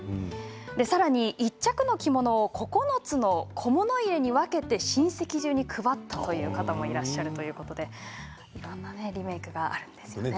さらに１着の着物を９つの小物入れに分けて親戚中に配ったという方もいらっしゃるということでいろんなリメークがあるんですね。